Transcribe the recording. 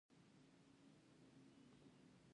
ازادي راډیو د ورزش په اړه ښوونیز پروګرامونه خپاره کړي.